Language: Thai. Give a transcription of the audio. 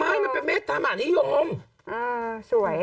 ไม่มันเป็นเมตตาหมานิยม